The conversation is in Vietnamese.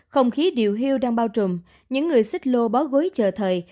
không khí điều hưu đang bao trùm những người xích lô bó gối chờ thời